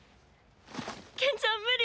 ケンちゃん無理！